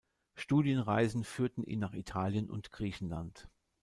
Studienreisen führten ihn nach Italien und Griechenland.